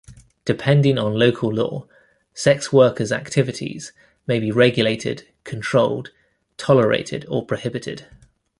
Depending on local law, sex workers' activities may be regulated, controlled, tolerated, or prohibited.